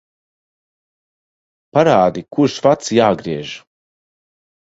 Parādi, kurš vads jāgriež.